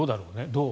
どう？